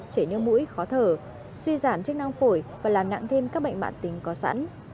chảy nước mũi khó thở suy giảm chức năng phổi và làm nặng thêm các bệnh mạng tính có sẵn